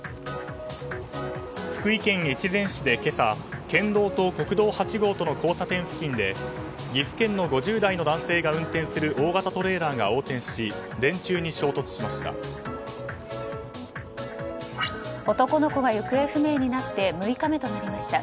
福井県越前市で今朝県道と国道８号との交差点付近で岐阜県の５０代の男性が運転する大型トレーラーが横転し電柱に衝突しました。